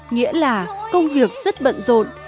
nghĩa là công việc rất bận rộn